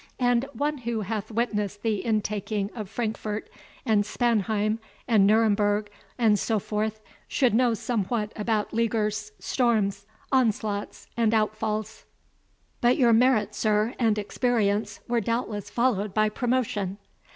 And one who hath witnessed the intaking of Frankfort, and Spanheim, and Nuremberg, and so forth, should know somewhat about leaguers, storms, onslaughts and outfalls." "But your merit, sir, and experience, were doubtless followed by promotion?"